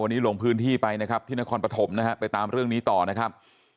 วันนี้ลงพื้นที่ไปนะครับที่นครปฐมนะฮะไปตามเรื่องนี้ต่อนะครับ